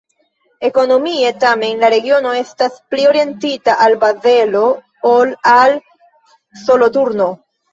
Ekonomie tamen la regiono estas pli orientita al Bazelo ol al Soloturno.